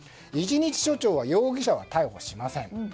一日署長は容疑者は逮捕しません。